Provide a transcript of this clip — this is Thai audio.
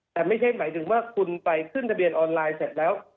แต่ไม่ใช่หมายถึงว่าคุณไปขึ้นทะเบียนออนไลน์เสร็จแล้ว